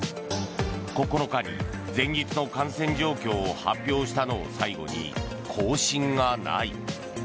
９日に前日の感染状況を発表したのを最後に更新がない。